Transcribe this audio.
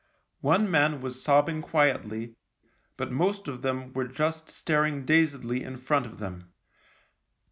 One man was sobbing quietly, but most of them were just staring dazedly in front of them.